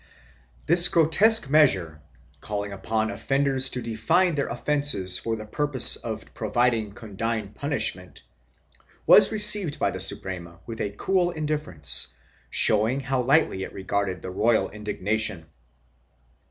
This grotesque measure, calling upon offenders to define their offences for the purpose of providing condign punishment, was received by the Suprema with a cool indifference showing how lightly it regarded the royal indignation.